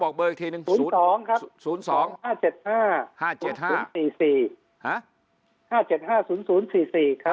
๕๗๕๐๐๔๔ครับ